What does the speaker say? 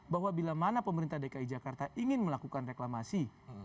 bahwa bila mana pemerintah dki jakarta ingin melakukan reklamasi